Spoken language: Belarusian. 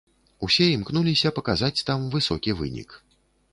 Усе імкнуліся паказаць там высокі вынік.